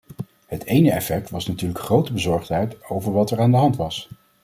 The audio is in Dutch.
Het ene effect was natuurlijk grote bezorgdheid over wat er aan de hand was.